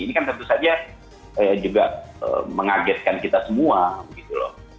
ini kan tentu saja juga mengagetkan kita semua gitu loh